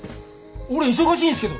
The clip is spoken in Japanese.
俺忙しいんすけど！